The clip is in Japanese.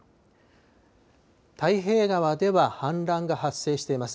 太平川では氾濫が発生しています。